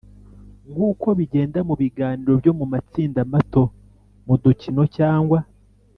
nk uko bigenda mu biganiro byo mu matsinda mato mu dukino cyangwa